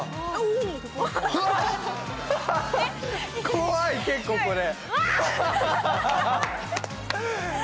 怖い、結構これ。